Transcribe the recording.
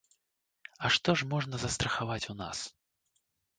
А што ж можна застрахаваць у нас?